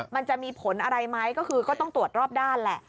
มันจะมีผลอะไรไหมก็คือก็ต้องตรวจรอบด้านแหละ